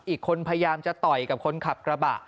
อีกคนพยายามจะต่อยกับคนขับกระบะ